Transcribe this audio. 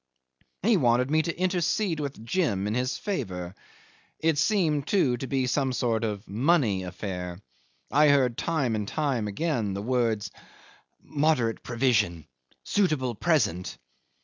He wanted me to intercede with Jim in his favour. It seemed, too, to be some sort of money affair. I heard time and again the words, "Moderate provision suitable present."